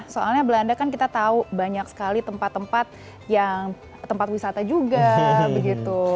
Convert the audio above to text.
soalnya belanda kan kita tahu banyak sekali tempat tempat yang tempat wisata juga begitu